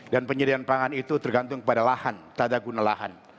dan penyediaan pangan itu tergantung kepada lahan tata guna lahan